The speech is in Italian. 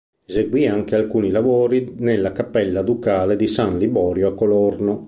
Eseguì anche alcuni lavori nella Cappella Ducale di San Liborio a Colorno.